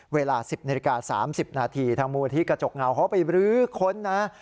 เวลา๑๐นาฬิกา๓๐นาทีทางมูลที่กระจกเงาเขาไปรื้อค้นนะ